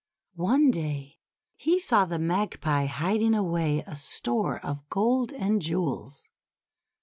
One day he saw the Magpie hiding away a store of gold and jewels.